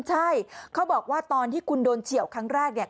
ใช่เขาบอกว่าตอนที่คุณโดนเฉียวครั้งแรกเนี่ย